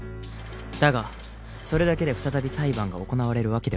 だがそれだけで再び裁判が行われるわけではない。